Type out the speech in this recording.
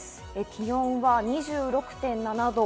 気温は２６．７度。